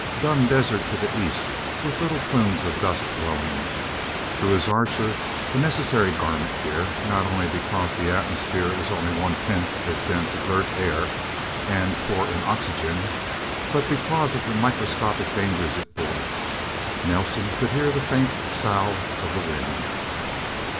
Dun desert to the east, with little plumes of dust blowing. Through his Archer a necessary garment here not only because the atmosphere was only one tenth as dense as Earth air and poor in oxygen, but because of the microscopic dangers it bore Nelsen could hear the faint sough of the wind.